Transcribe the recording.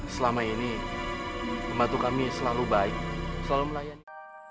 selama ini membantu kami selalu baik selalu melayani